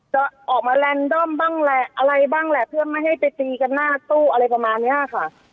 จะออกมาแลนดอมบ้างแหละอะไรบ้างแหละเพื่อไม่ให้ไปตีกันหน้าตู้อะไรประมาณเนี้ยค่ะ